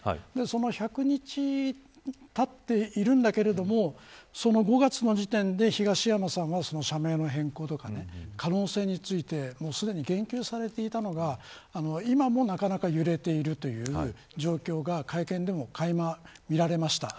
１００日たっているんだけど５月の時点で、東山さんは社名の変更とか可能性についてすでに言及されていたのが今もなかなか揺れているという状況が会見でもかいま見られました。